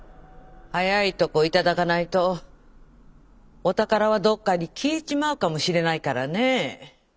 早いとこ頂かないとお宝はどっかに消えちまうかもしれないからね。